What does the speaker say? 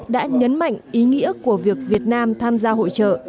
đã nhấn mạnh ý nghĩa của việc việt nam tham gia hội trợ